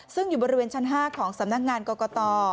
ซึ่งอยู่บริเวณชั้น๕ของสำนักงานกรกต